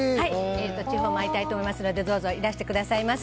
地方を回りたいと思いますので、どうぞいらしてくださいませ。